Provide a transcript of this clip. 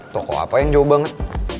toko apa yang jauh banget